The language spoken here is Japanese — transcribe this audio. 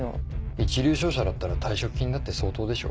一流商社だったら退職金だって相当でしょ。